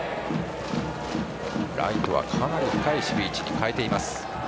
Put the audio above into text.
ライトはかなり深い守備位置に変えています。